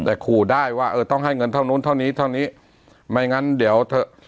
แต่ขู่ได้ว่าเออต้องให้เงินเท่านู้นเท่านี้เท่านี้ไม่งั้นเดี๋ยวเถอะ